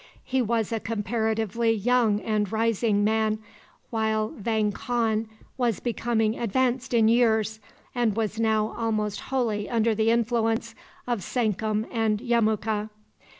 He was a comparatively young and rising man, while Vang Khan was becoming advanced in years, and was now almost wholly under the influence of Sankum and Yemuka.